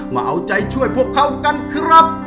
มาเอาใจช่วยพวกเขากันครับ